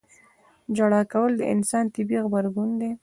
• ژړا کول د انسان طبیعي غبرګون دی.